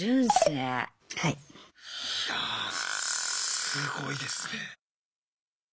いやすごいですね。